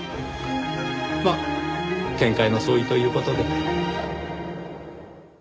まあ見解の相違という事で。